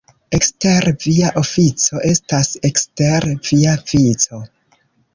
Ekster via ofico estas ekster via vico.